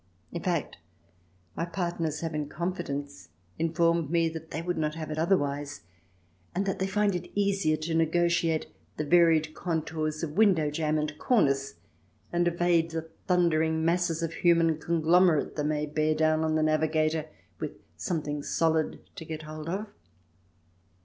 In fact, my partners have in confidence informed me that they would not have it otherwise, and that they find it easier to negotiate the varied contours of window jamb and cornice and evade the thundering masses of human conglomerate that may bear down on the navigator, with " something solid to get hold of."